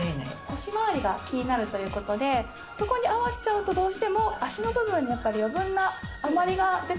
腰回りが気になるという事でそこに合わせちゃうとどうしても脚の部分にやっぱり余分な余りが出ちゃってますよね。